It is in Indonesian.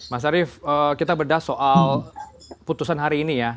mas arief kita bedah soal putusan hari ini ya